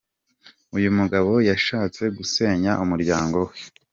Uyu mugabo yashatse gusenya umuryango we.